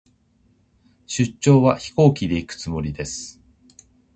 出張は、飛行機で行くつもりです。